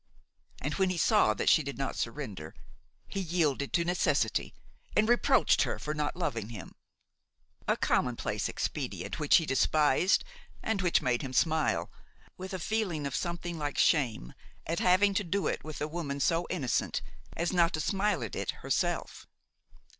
And when he saw that she did not surrender, he yielded to necessity and reproached her with not loving him; a commonplace expedient which he despised and which made him smile, with a feeling of something like shame at having to do with a woman so innocent as not to smile at it herself.